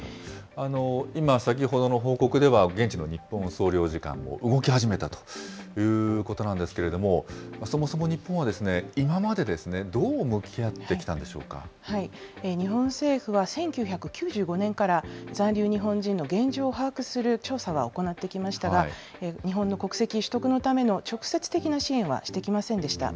今、先ほどの報告では、現地の日本総領事館も動き始めたということなんですけれども、そもそも日本は今まで、どう向き合って日本政府は１９９５年から、残留日本人の現状を把握する調査は行ってきましたが、日本の国籍取得のための直接的な支援はしてきませんでした。